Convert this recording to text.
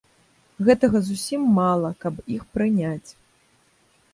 Гэтага зусім мала, каб іх прыняць.